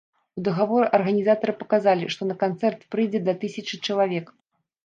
У дагаворы арганізатары паказалі, што на канцэрт прыйдзе да тысячы чалавек.